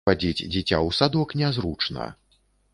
Вадзіць дзіця ў садок нязручна.